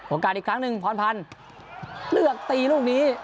อีกครั้งหนึ่งพรพันธ์เลือกตีลูกนี้